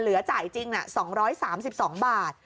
เหลือจ่ายจริง๒๓๒บาท